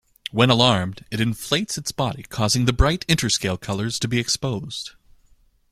When alarmed, it inflates its body causing the bright interscale colours to be exposed.